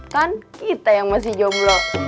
kan kita yang masih joblo